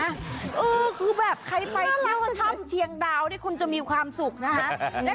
เออคือแบบใครไปเที่ยวถ้ำเชียงดาวนี่คุณจะมีความสุขนะคะ